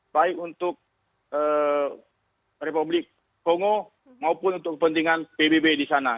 baik untuk republik kongo maupun untuk kepentingan pbb disana